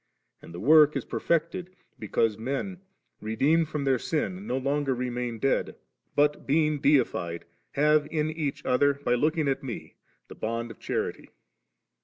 And the work is perfected, because men, redeemed from sin, no longer remain dead; but being deified*, have in each other, by looking at Me, the bond of charity 9/ 24.